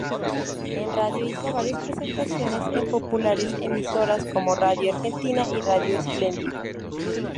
En radio hizo varias presentaciones en populares emisoras como Radio Argentina y Radio Splendid.